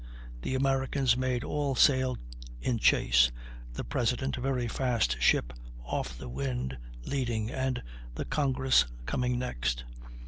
The Americans made all sail in chase, the President, a very fast ship off the wind, leading, and the Congress coming next.